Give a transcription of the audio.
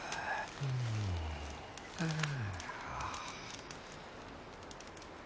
ああ。